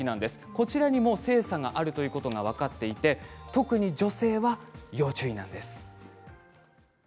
こちらにも性差があるということが分かっていて特に女性は要注意なんです。